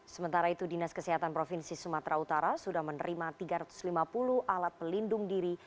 sementara itu dinas kesehatan provinsi sumatera utara sudah menerima tiga ratus lima puluh alat pelindung diri